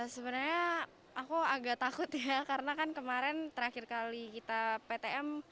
sebenarnya aku agak takut ya karena kan kemarin terakhir kali kita ptm